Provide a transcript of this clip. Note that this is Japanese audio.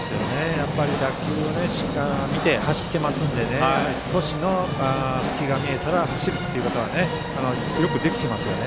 打球をしっかり見て走っていますので少しの隙が見えたら走るということがよくできていますよね。